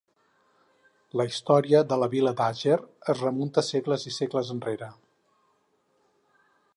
La història de la vila d'Àger es remunta segles i segles enrere.